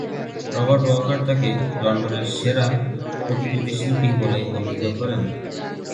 Robert Walker তাকে "লন্ডনের সেরা প্রতিকৃতিশিল্পী" বলে অভিহিত করেন।